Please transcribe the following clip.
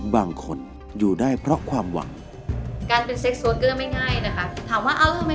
มีที่ที่ทำงานที่มันเป็นงานทั่วไป